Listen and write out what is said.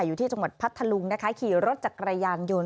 อยู่ที่จังหวัดพัทธลุงนะคะขี่รถจักรยานยนต์